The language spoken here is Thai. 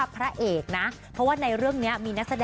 พระเอกนะเพราะในเรื่องนี้